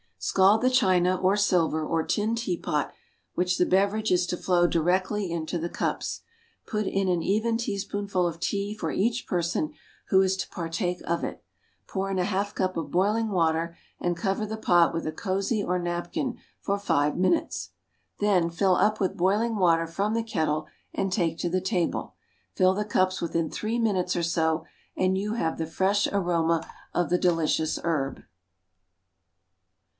Scald the china, or silver, or tin teapot from which the beverage is to flow directly into the cups; put in an even teaspoonful of tea for each person who is to partake of it, pour in a half cup of boiling water and cover the pot with a cozy or napkin for five minutes. Then, fill up with boiling water from the kettle and take to the table. Fill the cups within three minutes or so and you have the fresh aroma of the delicious herb.